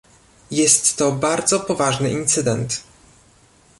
Jest to bardzo poważny incydent